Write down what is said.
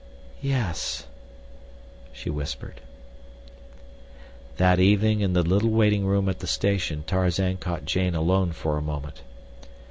"Yes," she whispered. That evening in the little waiting room at the station Tarzan caught Jane alone for a moment.